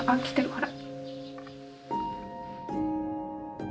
ほら！